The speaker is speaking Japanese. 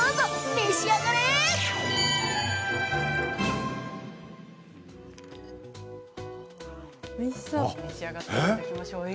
召し上がっていただきましょう。